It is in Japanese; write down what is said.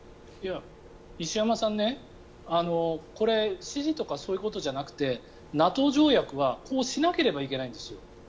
石山さん、これ支持とかそういうことじゃなくてＮＡＴＯ条約はこうしなければいけないんですよ。